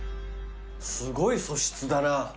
すごい素質だな。